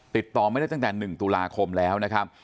ติดต่อไม่ได้ตั้งแต่๑ตุลาคมแล้วนะครับ